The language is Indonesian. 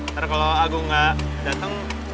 ntar kalo agung gak dateng